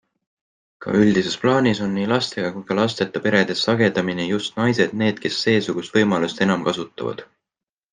Ka üldises plaanis on nii lastega kui ka lasteta peredes sagedamini just naised need, kes seesugust võimalust enam kasutavad.